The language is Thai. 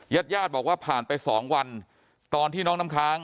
ญาติญาติบอกว่าผ่านไปสองวันตอนที่น้องน้ำค้าง